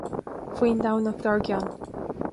Faoin Domhnach dár gcionn.